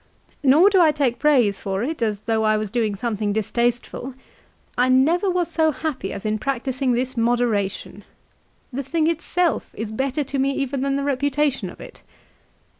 Nor do I take praise for it as though I was doing something distasteful. I never was so happy as in practising this moderation. The thing itself is better to me even than the reputation of it.